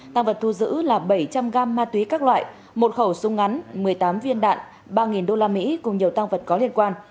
tăng vật thu giữ là bảy trăm linh gam ma túy các loại một khẩu súng ngắn một mươi tám viên đạn ba usd cùng nhiều tăng vật có liên quan